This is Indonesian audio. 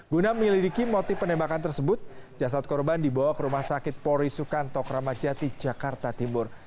guna menyelidiki motif penembakan tersebut jasad korban dibawa ke rumah sakit polri sukantok ramadjati jakarta timur